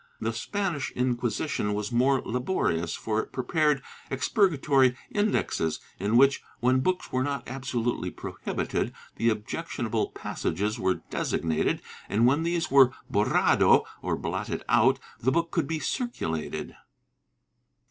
^ The Spanish Inquisition was more laborious, for it prepared Expurgatory Indexes, in which, when books were not absolutely prohibited, the objectionable passages were designated and, when these were horrado, or blotted out, the book could be circulated.